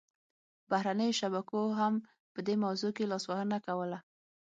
بهرنیو شبکو هم په دې موضوع کې لاسوهنه کوله